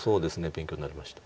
勉強になりました。